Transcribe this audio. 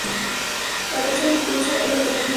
El resto de los cursos es de educación general.